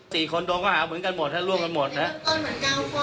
สี่คนโดนก็หาเหมือนกันหมดฮะร่วงกันหมดนะฮะต้นมันเจ้าข้อหา